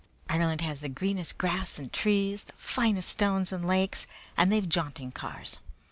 Ireland has the greenest grass and trees, the finest stones and lakes, and they've jaunting cars.